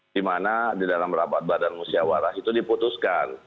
dimana di dalam rapat badan musyawarah itu diputuskan